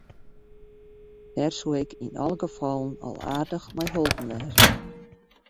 Dêr soe ik yn alle gefallen al aardich mei holpen wêze.